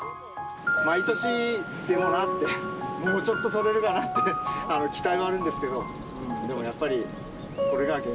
毎年、でもなって、もうちょっととれるかなって期待はあるんですけど。